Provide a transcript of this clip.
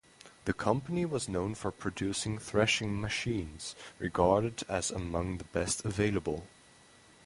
The company was known for producing threshing machines, regarded as among the best available.